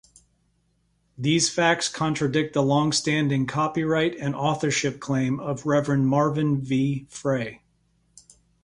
These facts contradict the longstanding copyright and authorship claim of Reverend Marvin V. Frey.